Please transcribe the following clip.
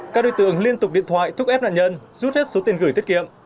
các đối tượng liên tục điện thoại thúc ép nạn nhân rút hết số tiền gửi tiết kiệm